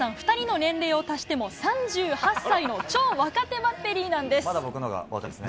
２人の年齢を足しても３８歳の超若手バッテリーなんです。